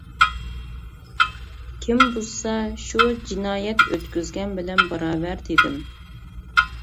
«كىم بۇزسا، شۇ جىنايەت ئۆتكۈزگەن بىلەن باراۋەر» دېدىم.